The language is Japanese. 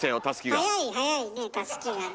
早い早いねたすきがね。